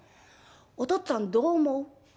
おとっつぁんどう思う？